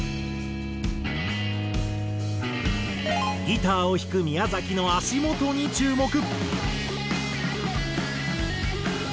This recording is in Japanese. ギターを弾く宮崎の足元に注目。